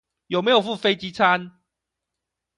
有沒有附飛機餐